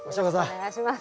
お願いします。